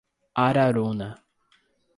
Araruna